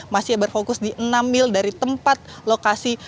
masih berfokus di enam mil dari tempat lokasi